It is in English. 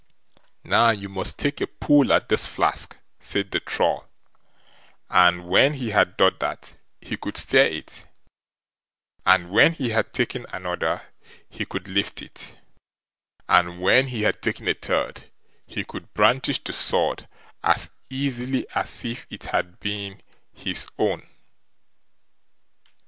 "Now you must take a pull at this flask", said the Troll; and when he had done that he could stir it, and when he had taken another he could lift it, and when he had taken a third he could brandish the sword as easily as if it had been his own.